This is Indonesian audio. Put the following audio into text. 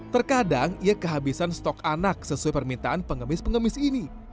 terkadang ia kehabisan stok anak sesuai permintaan pengemis pengemis ini